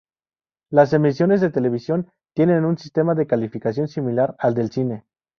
Las emisiones de televisión tienen un sistema de calificación similar al del cine.